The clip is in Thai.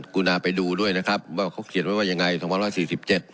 กุณาไปดูด้วยนะครับว่าเขาเขียนว่ายังไง